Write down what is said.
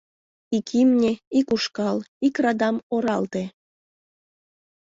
— Ик имне, ик ушкал, ик радам оралте.